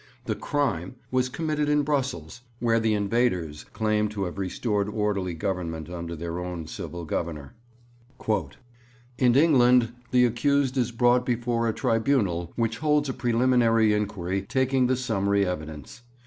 The 'crime' was committed in Brussels, where the invaders claim to have restored orderly government under their own civil governor. 'In England the accused is brought before a tribunal which holds a preliminary inquiry taking the summary evidence.